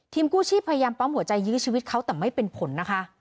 กู้ชีพพยายามปั๊มหัวใจยื้อชีวิตเขาแต่ไม่เป็นผลนะคะ